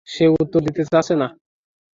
সে উত্তর দিতে চাচ্ছে না।